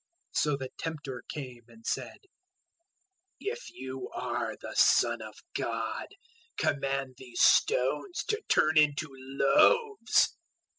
004:003 So the Tempter came and said, "If you are the Son of God, command these stones to turn into loaves."